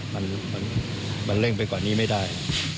มันเร่งไปกว่านี้ไม่ได้